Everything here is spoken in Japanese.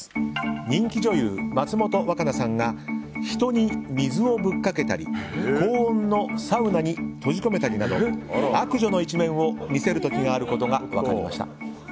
人気女優・松本若菜さんが人に水をぶっかけたり高温のサウナに閉じ込めたりなど悪女の一面を見せる時があることが分かりました。